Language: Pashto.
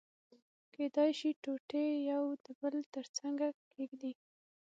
کېدای شي ټوټې يو د بل تر څنګه کېږدي.